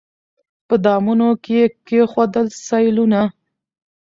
په دامونو کي یې کښېوتل سېلونه